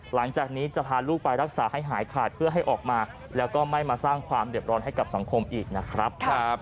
หลังจากนี้จะพาลูกไปรักษาให้หายขาดเพื่อให้ออกมาแล้วก็ไม่มาสร้างความเด็บร้อนให้กับสังคมอีกนะครับ